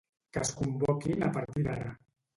Que es convoquin a partir d'ara.